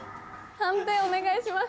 判定お願いします。